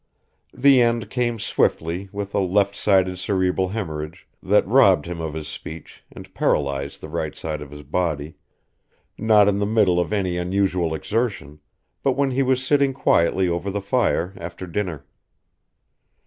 The end came swiftly with a left sided cerebral haemorrhage that robbed him of his speech and paralysed the right side of his body, not in the middle of any unusual exertion, but when he was sitting quietly over the fire after dinner.